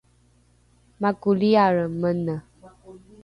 makoli’are mene